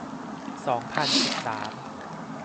สองพันสิบสาม